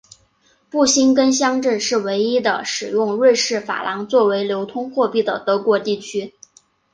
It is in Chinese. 布辛根乡镇是唯一的使用瑞士法郎作为流通货币的德国地区。